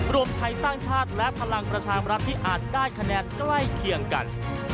รวมไทยสร้างชาติและพลังประชามรัฐที่อาจได้คะแนนใกล้เคียงกัน